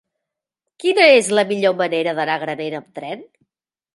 Quina és la millor manera d'anar a Granera amb tren?